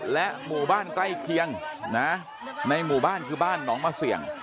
และหมู่บ้านใกล้เคียงนะในหมู่บ้านคือบ้านหนองมาเสี่ยง